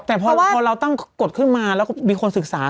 แต่พอเราตั้งกฎขึ้นมาแล้วก็มีคนศึกษา